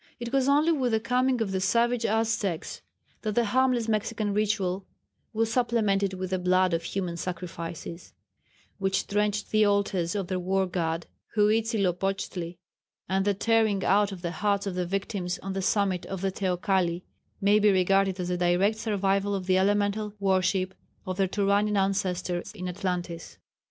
It was only with the coming of the savage Aztecs that the harmless Mexican ritual was supplemented with the blood of human sacrifices, which drenched the altars of their war god, Huitzilopochtli, and the tearing out of the hearts of the victims on the summit of the Teocali may be regarded as a direct survival of the elemental worship of their Turanian ancestors in Atlantis.